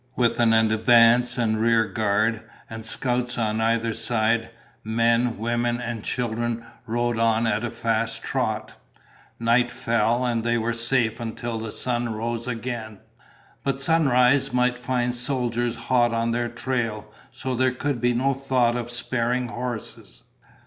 With an advance and rear guard, and scouts on either side, men, women, and children rode on at a fast trot. Night fell, and they were safe until the sun rose again. But sunrise might find soldiers hot on their trail, so there could be no thought of sparing horses.